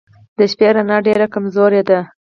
د شپې رڼا ډېره کمزورې وه.